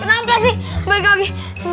ini bagi aku lagi